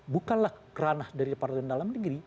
bukanlah ranah dari departemen dalam negeri